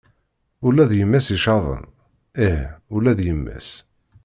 Ula d yemma-s icaḍen? Ih ula d yemma-s.